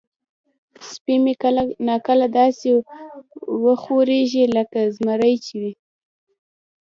سپی مې کله نا کله داسې وخوریږي لکه زمری چې وي.